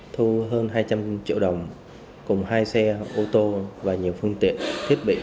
thu hơn hai trăm linh triệu đồng cùng hai xe ô tô và nhiều phương tiện thiết bị